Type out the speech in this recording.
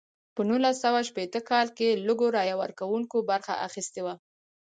په نولس سوه شپیته کال کې لږو رایه ورکوونکو برخه اخیستې وه.